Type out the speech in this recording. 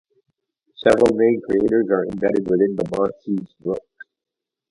Several named craters are embedded within the Montes Rook.